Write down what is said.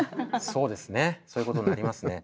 そうですねそういうことになりますね。